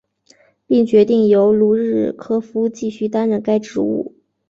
并决定由卢日科夫继续担任该职务。